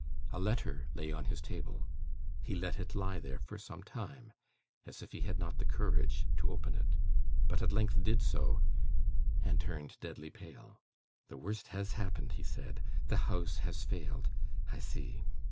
A letter lay on his table. He let it lie there for some time, as if he had not the courage to open it, but at length did so and turned deadly pale. 'The worst has happened,' he said; 'the house has failed. I see.